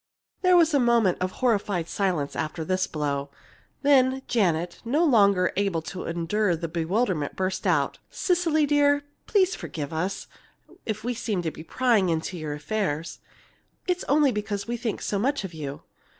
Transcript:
There was a moment of horrified silence after this blow. Then Janet, no longer able to endure the bewilderment, burst out: "Cecily dear, please forgive us if we seem to be prying into your affairs. It's only because we think so much of you.